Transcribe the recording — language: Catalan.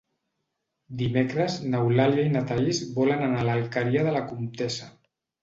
Dimecres n'Eulàlia i na Thaís volen anar a l'Alqueria de la Comtessa.